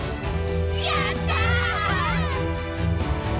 やった！